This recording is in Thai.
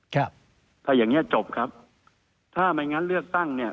ครับถ้าอย่างเงี้จบครับถ้าไม่งั้นเลือกตั้งเนี่ย